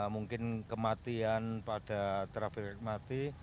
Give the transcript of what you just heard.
mungkin kematian pada terapi mati